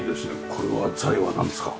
これは材はなんですか？